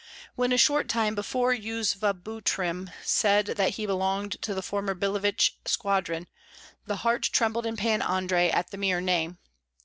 When a short time before Yuzva Butrym said that he belonged to the former Billevich squadron, the heart trembled in Pan Andrei at the mere name.